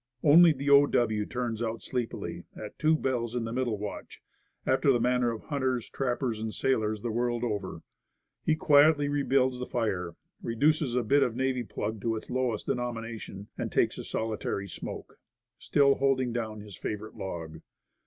Only the O. W. turns out sleepily, at two bells in the middle watch, after the manner of hunters, trappers and sailors, the world over. He quietly rebuilds the fire, reduces a bit of navy plug to its lowest denomination, and takes a solitary smoke still holding down his favorite log.